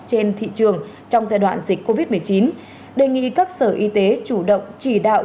trên thị trường trong giai đoạn dịch covid một mươi chín đề nghị các sở y tế chủ động chỉ đạo